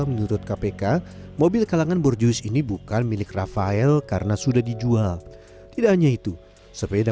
menurut kpk mobil kalangan borjuis ini bukan milik rafael karena sudah dijual tidak hanya itu sepeda